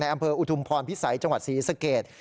อำเภออุทุมพรพิสัยจังหวัดศรีสเกต